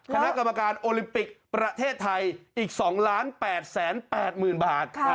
อยู่ในกรรมการโอลิปิกประเทศไทยอีก๒ล้าน๘๘๐๐๐๐บาท